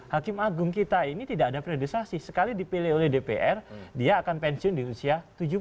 hakim agung kita ini tidak ada priorisasi sekali dipilih oleh dpr dia akan pensiun di usia tujuh puluh lima